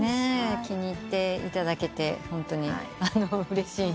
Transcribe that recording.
気に入っていただけてホントにうれしいな。